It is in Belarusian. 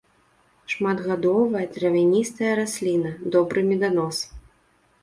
Шматгадовая травяністая расліна, добры меданос.